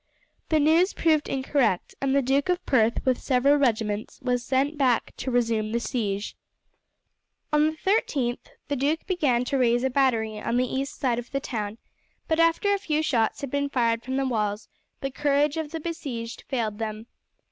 The news proved incorrect, and the Duke of Perth with several regiments were sent back to resume the siege. On the 13th the duke began to raise a battery on the east side of the town, but after a few shots had been fired from the walls the courage of the besieged failed them.